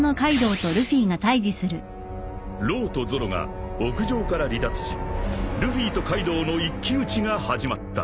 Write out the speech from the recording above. ［ローとゾロが屋上から離脱しルフィとカイドウの一騎打ちが始まった］